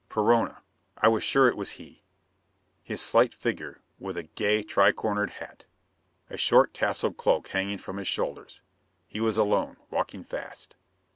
Perona! I was sure it was he. His slight figure, with a gay, tri cornered hat. A short tasseled cloak hanging from his shoulders. He was alone; walking fast.